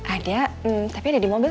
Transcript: ada tapi ada di mobil